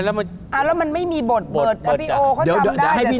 แล้วมันไม่มีบทพี่โอเขาจำได้แต่ฉันจำไม่ได้